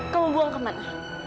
kamu buang ke mana